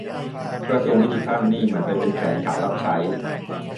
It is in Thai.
กระทรวงดิจิทัลนี่เหมือนไปเป็นแขนขารับใช้